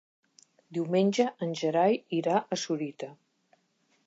Diumenge en Gerai irà a Sorita.